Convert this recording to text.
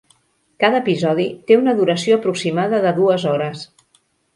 Cada episodi té una duració aproximada de dues hores.